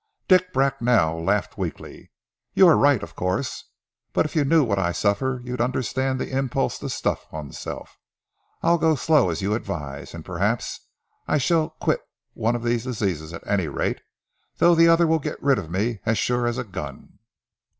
Dick Bracknell laughed weakly. "You're right, of course. But if you knew what I suffer you'd understand the impulse to stuff oneself! I'll go slow, as you advise, and perhaps I shall get quit of one disease at any rate, though the other will get rid of me as sure as a gun."